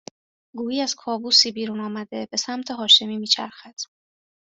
گویی از کابوسی بیرون آمده به سمت هاشمی میچرخد